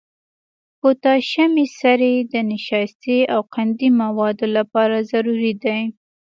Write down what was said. پوتاشیمي سرې د نشایستې او قندي موادو لپاره ضروري دي.